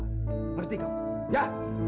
ngerti kamu ya